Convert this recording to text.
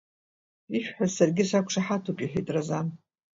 Ишәҳәаз саргьы сақәшаҳаҭуп, — иҳәеит Разан.